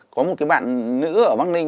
có một cái bạn nữ ở bắc ninh